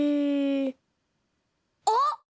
あっ！